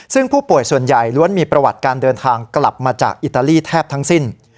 ซึ่งผู้ป่วยส่วนใหญ่ล้วนมีประวัติการเดินทางกลับมาจากอิตาลีแทบทั้งสิ้น